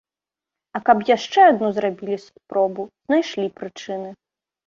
А каб яшчэ адну зрабілі спробу, знайшлі прычыны.